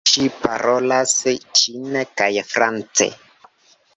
Ŝi parolas ĉine kaj france.